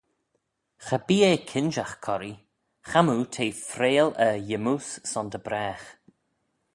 Cha bee eh kinjagh corree: chamoo t'eh freayll e yymmoose son dy bragh.